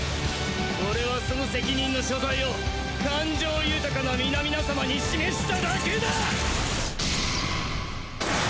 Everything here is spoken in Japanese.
俺はその責任の所在を感情豊かな皆々様に示しただけだ。